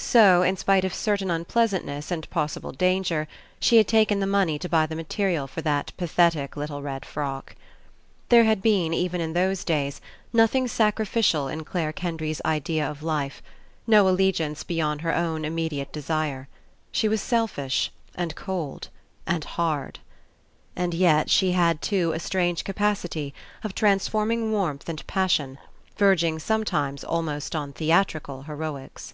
So, In spite of certain un pleasantness and possible danger, she had taken the money to buy the material for that pathetic little red frock. There had been, even In those days, nothing sacrificial In Clare Kendry's Idea of life, no allegiance beyond her own Immediate desire. She was selfish, and cold, and hard. And yet she had, too, a strange capacity of trans forming warmth and passion, verging some times almost on theatrical heroics.